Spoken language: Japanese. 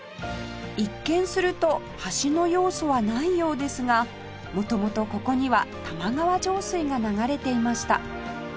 一見すると橋の要素はないようですが元々ここには玉川上水が流れていました